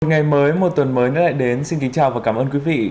một ngày mới một tuần mới đã lại đến xin kính chào và cảm ơn quý vị